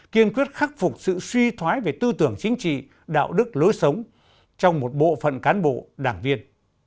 kiên quyết khắc phục sự suy thoái về tư tưởng chính trị đạo đức lối sống trong một bộ phận cán bộ đảng viên